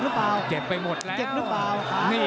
เรียบร้อย